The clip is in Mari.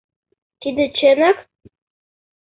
— Тиде чынак?